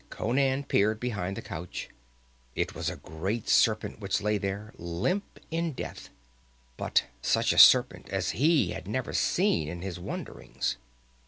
Conan peered behind the couch. It was a great serpent which lay there limp in death, but such a serpent as he had never seen in his wanderings.